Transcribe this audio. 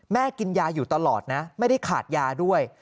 กินยาอยู่ตลอดนะไม่ได้ขาดยาด้วย